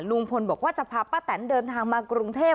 ลุงพลบอกว่าจะพาป้าแตนเดินทางมากรุงเทพ